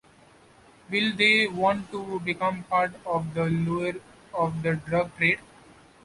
Will they want to become part of the lure of the drug trade?